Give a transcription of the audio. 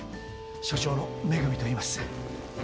所長の恵といいます。